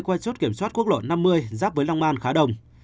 qua chốt kiểm soát quốc lộ năm mươi giáp với long an khá đông